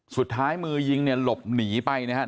สุดท้ายมือยิงเนี่ยหลบหนีไปนะครับ